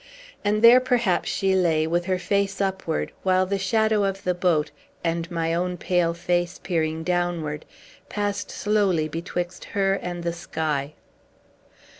And there, perhaps, she lay, with her face upward, while the shadow of the boat, and my own pale face peering downward, passed slowly betwixt her and the sky!